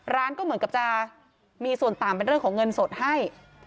ร้านก็เหมือนกับจะมีส่วนต่างเป็นเรื่องของเงินสดให้